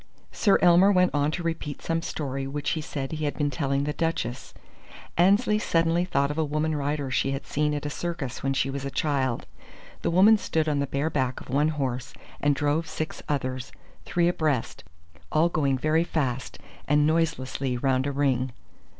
Sir Elmer went on to repeat some story which he said he had been telling the Duchess. Annesley suddenly thought of a woman rider she had seen at a circus when she was a child. The woman stood on the bare back of one horse and drove six others, three abreast, all going very fast and noiselessly round a ring.